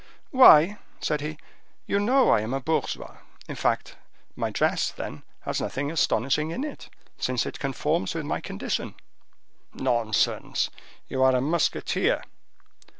"Why," said he, "you know I am a bourgeois, in fact; my dress, then, has nothing astonishing in it, since it conforms with my condition." "Nonsense! you are a musketeer."